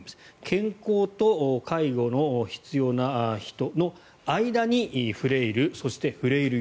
健康と介護の必要な人の間にフレイルそしてフレイル